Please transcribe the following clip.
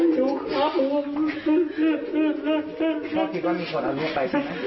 ใช่มั้ยฮะ